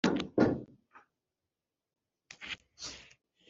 abakandida bashyikirizwa komisiyo.